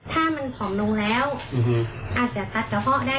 ถ้ามันผอมลงแล้วอาจจะตัดกระเพาะได้